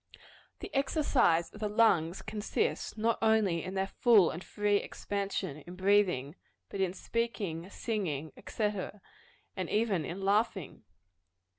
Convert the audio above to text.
The exercise of the lungs consists not only in their full and free expansion in breathing, but in speaking, singing, &c., and even in laughing.